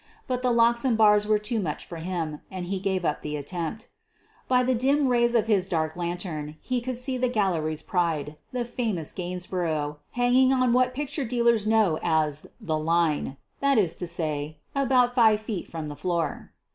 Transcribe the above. But the locks and bars were too much for him and he gave up the attempt. By the dim rays of his dark lantern he could see the gallery's pride — the famous Gainsborough, hanging on what picture dealers know as "the line" — that is to say, about G.ve feet from the floor.